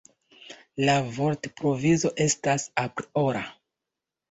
La vortprovizo estas apriora.